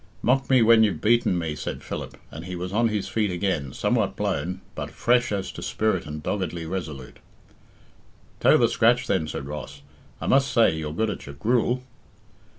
"Mock me when you've beaten me," said Philip, and he was on his feet again, somewhat blown, but fresh as to spirit and doggedly resolute. "Toe the scratch, then," said Ross. "I must say you're good at your gruel."